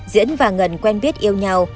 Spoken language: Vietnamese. diễn và ngân quen biết yêu nhau